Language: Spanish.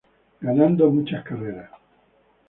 Ganando muchas carreras.